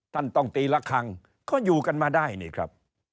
ท่านต้องตีละครั้งก็อยู่กันมาได้นี่ครับ